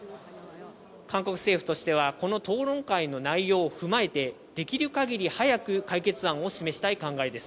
韓国政府としてはこの討論会の内容を踏まえて、できる限り早く解決案を示したい考えです。